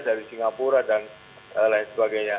dari singapura dan lain sebagainya